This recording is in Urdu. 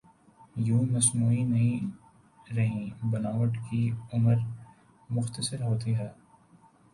یوں مصنوعی نہیں رہیں بناوٹ کی عمر مختصر ہوتی ہے۔